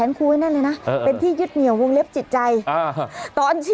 โอ้โฮโอ้โฮ